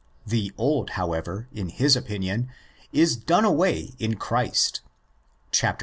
The old, however, in his opinion, 'is done away in Christ'' (iii.